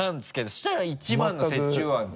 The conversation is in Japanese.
そしたら一番の折衷案っていう。